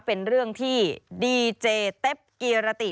เป็นเรื่องที่ดีเจเต็ปกีรติ